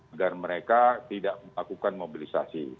agar mereka tidak melakukan mobilisasi